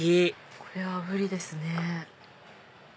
これは炙りですね。